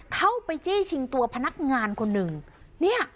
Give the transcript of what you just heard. เข้าไปจี้ชิงตัวพนักงานคนหนึ่งเนี่ย